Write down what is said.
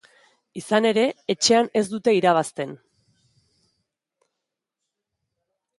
Izan ere, etxean ez dute irabazten.